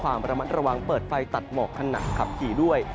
ความประมาณประวังเปิดไฟตัดเหมาะขนักขับีด้วย